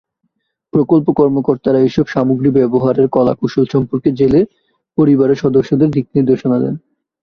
প্রকল্প কর্মকর্তারা এসব সামগ্রী ব্যবহারের কলাকৌশল সম্পর্কে জেলে পরিবারের সদস্যদের দিক-নির্দেশনা দেন।